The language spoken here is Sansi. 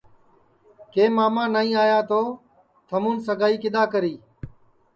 کہ ماما نائی آیا تو تھمُون سگائی کِدؔا کری